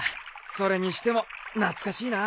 それにしても懐かしいな。